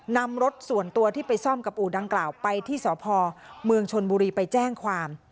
นำรถส่วนตัวที่ไปซ่อมกับอู่ดังกล่าวไปที่สพเมืองชนบุรีไปแจ้งความ